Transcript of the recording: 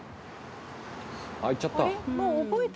あっ行っちゃった。